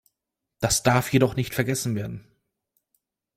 Das darf jedoch nicht vergessen werden.